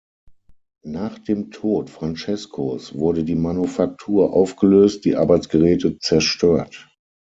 Nach dem Tod Francescos wurde die Manufaktur aufgelöst, die Arbeitsgeräte zerstört.